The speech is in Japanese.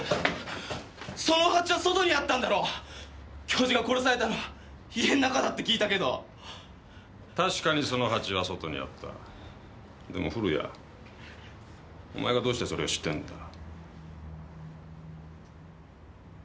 その鉢は外にあったんだろう教授が殺されたのは家ん中だって聞いたけど確かにその鉢は外にあったでも古谷お前がどうしてそれを知ってるんだ？